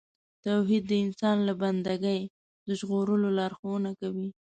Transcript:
توحید د انسان له بندګۍ د ژغورلو لارښوونه کوي.